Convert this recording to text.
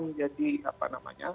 menjadi apa namanya